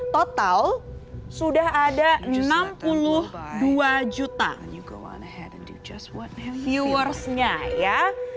total sudah ada enam puluh dua juta viewersnya ya